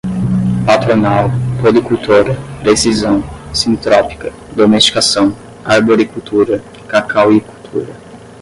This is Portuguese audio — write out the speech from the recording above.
patronal, policultora, precisão, sintrópica, domesticação, arboricultura, cacauicultura